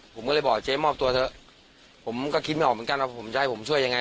ผมก็เลยบอกเจ๊มอบตัวเถอะผมก็คิดไม่ออกเหมือนกันว่าผมจะให้ผมช่วยยังไง